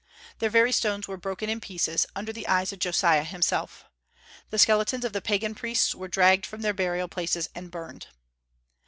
Their very stones were broken in pieces, under the eyes of Josiah himself. The skeletons of the pagan priests were dragged from their burial places and burned.